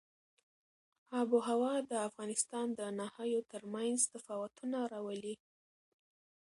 آب وهوا د افغانستان د ناحیو ترمنځ تفاوتونه راولي.